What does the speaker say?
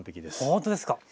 ほんとですか。